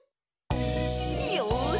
よし！